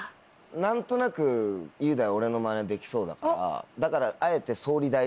何となく雄大俺の真似できそうだからだから。